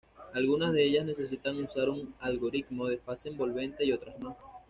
Algunas de ellas necesitan usar un algoritmo de fase envolvente y otras no.